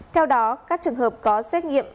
theo đó các trường hợp có xét nghiệm